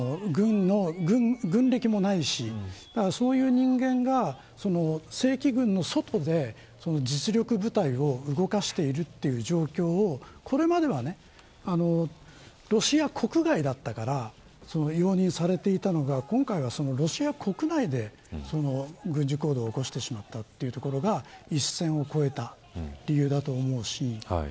軍歴もないしそういう人間が正規軍の外で実力部隊を動かしているという状況をこれまではロシア国外だったから容認されていたのが今回はロシア国内で軍事行動を起こししまったというところが一線を越えた理由だと思うし。